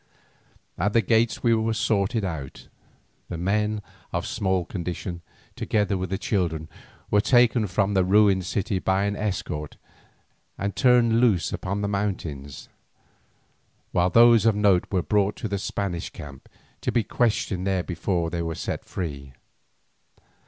At the gates we were sorted out; the men of small condition, together with the children, were taken from the ruined city by an escort and turned loose upon the mountains, while those of note were brought to the Spanish camp, to be questioned there before they were set free.